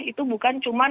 itu bukan cuman